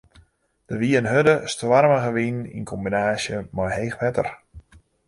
Der wie in hurde, stoarmige wyn yn kombinaasje mei heech wetter.